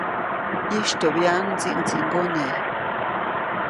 ʼYistyoʼbyaʼuŋ ndsiʼŋdsiŋgone.